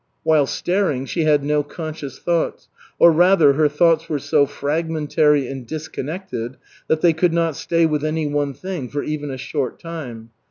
While staring, she had no conscious thoughts, or, rather, her thoughts were so fragmentary and disconnected that they could not stay with any one thing for even a short time.